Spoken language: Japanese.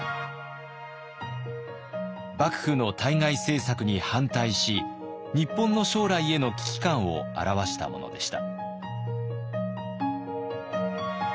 幕府の対外政策に反対し日本の将来への危機感を著したものでした。